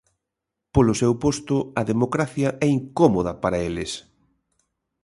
Polo seu posto, a democracia é incómoda para eles.